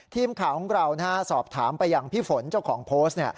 ทีมขาวงกล่าว๕น่าสอบถามไปอย่างพี่ฝนเจ้าของโพสต์